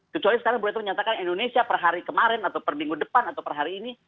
kecuali sekarang bu etho menyatakan indonesia per hari kemarin atau per minggu depan atau per hari ini